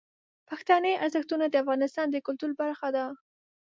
پښتني ارزښتونه د افغانستان د کلتور برخه ده.